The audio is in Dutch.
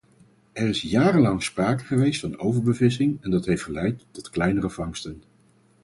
Er is jarenlang sprake geweest van overbevissing en dat heeft geleid tot kleinere vangsten.